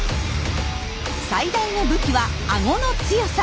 最大の武器はアゴの強さ。